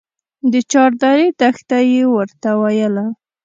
د چاردرې دښته يې ورته ويله.